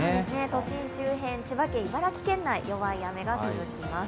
都心周辺、千葉県、茨城県内、弱い雨が続きます。